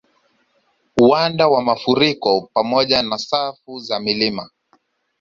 Uwanda wa mafuriko pamoja na safu za milima